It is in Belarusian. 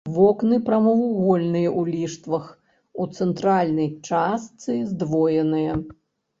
Вокны прамавугольныя ў ліштвах, у цэнтральнай частцы здвоеныя.